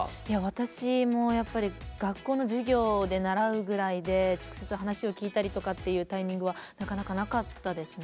私も学校の授業で習うぐらいで直接話を聞いたりとかっていうタイミングはなかなかなかったですね。